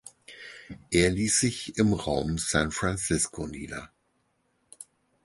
Er ließ sich im Raum San Francisco nieder.